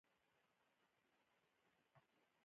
دا ډوډۍ لکه د پېښور بنده پراټه وه.